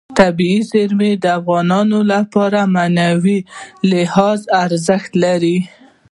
طبیعي زیرمې د افغانانو لپاره په معنوي لحاظ ارزښت لري.